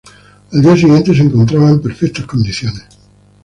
Al día siguiente, se encontraba en perfectas condiciones.